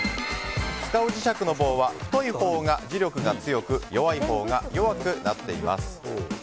使う磁石の棒は太いほうが磁力が強く細いほうが弱くなっています。